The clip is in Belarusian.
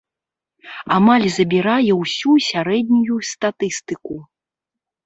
Амаль забірае ўсю сярэднюю статыстыку.